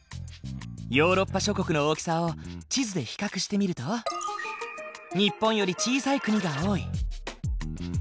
ヨーロッパ諸国の大きさを地図で比較してみると日本より小さい国が多い。